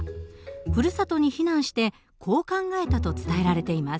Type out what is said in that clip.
ふるさとに避難してこう考えたと伝えられています。